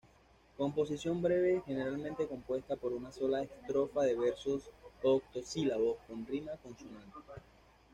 Composición breve generalmente compuesta por una sola estrofa de versos octosílabos con rima consonante.